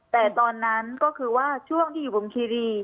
แต่ตอนนั้นก็คือว่าช่วงที่อยู่วงคีรี